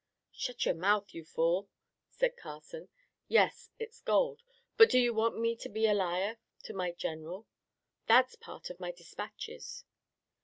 "Shut your mouth, you fool!" said Carson. "Yes, it's gold. But do you want me to be a liar to my General? That's part of my dispatches."